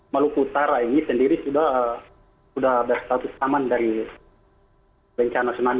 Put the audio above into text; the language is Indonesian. maluku utara ini sendiri sudah berstatus aman dari bencana tsunami